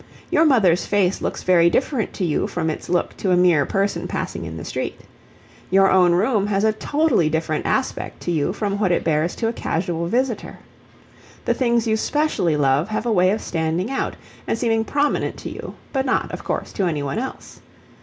Your mother's face looks very different to you from its look to a mere person passing in the street. Your own room has a totally different aspect to you from what it bears to a casual visitor. The things you specially love have a way of standing out and seeming prominent to you, but not, of course, to any one else.